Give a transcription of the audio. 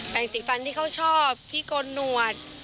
งสีฟันที่เขาชอบที่โกนหนวด